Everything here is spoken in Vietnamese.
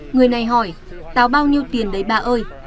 người này hỏi táo bao nhiêu tiền đấy bà ơi